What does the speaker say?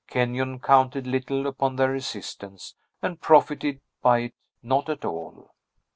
Kenyon counted little upon their assistance, and profited by it not at all.